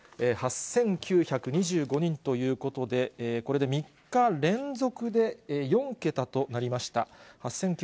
８９２５人ということで、これで３日連続で４桁となりました。